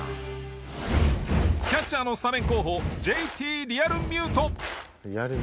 キャッチャーのスタメン候補Ｊ．Ｔ．リアルミュート。